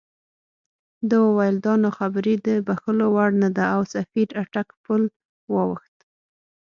ده وویل دا ناخبري د بښلو وړ نه ده او سفیر اټک پُل واوښت.